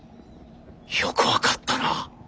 よく分かったな。